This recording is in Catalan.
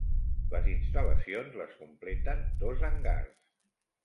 Les instal·lacions les completen dos hangars.